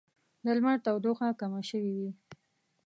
د لمر تودوخه کمه شوې وي